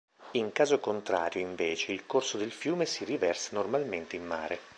In caso contrario, invece, il corso del fiume si riversa normalmente in mare.